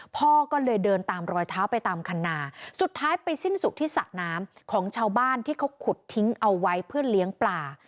พ่อก็เลยเดินตามรอยเท้าไปตามคันนาสุดท้ายไปสิ้นสุดที่สระน้ำของชาวบ้านที่เขาขุดทิ้งเอาไว้เพื่อเลี้ยงปลา